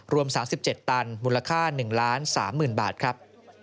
รวม๓๗ตันมูลค่า๑๓๐๐๐บาทครับ